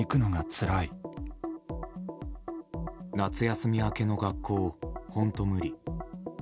夏休み明けの学校、本当無理。